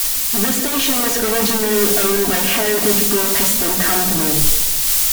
The station was originally owned by Heritage Broadcasting Company.